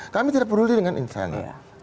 kami tidak peduli dengan insan